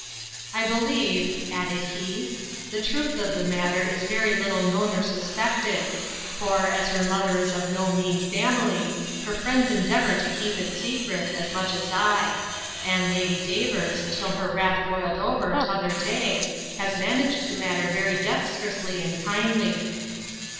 I believe, added he, the truth of the matter is very little known or suspected; for, as her mother is of no mean family, her friends endeavour to keep it secret, as much as I: and Lady Davers, till her wrath boiled over, t'other day, has managed the matter very dexterously and kindly.